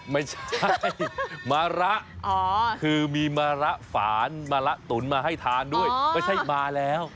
ไม่ใช่มะระคือมีมะระฝานมะละตุ๋นมาให้ทานด้วยไม่ใช่มาแล้ว